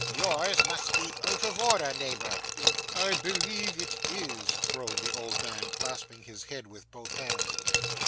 Yours must be out of order, neighbour.' 'I believe it is,' groaned the old man, clasping his head with both hands.